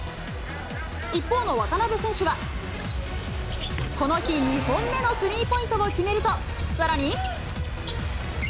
一方の渡邊選手は、この日、２本目のスリーポイントを決めると、さらに。